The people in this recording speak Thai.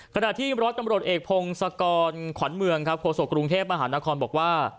ขณะที่ร้อยตำรวจเอกพงศกรขวัญเมืองครับโฆษกรุงเทพมหานครบอกว่า